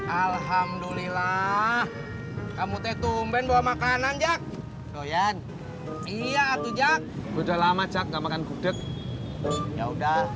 alhamdulillah kamu teh tumben bawa makanan jack doyan iya tujak udah lama cak makan kudek ya udah